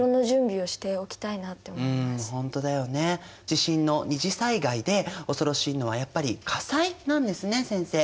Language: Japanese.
地震の二次災害で恐ろしいのはやっぱり火災なんですね先生。